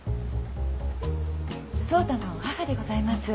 蒼太の母でございます。